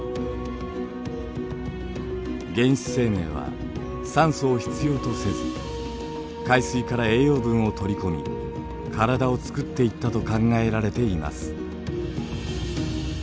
原始生命は酸素を必要とせず海水から栄養分を取り込み体をつくっていったと考えられています。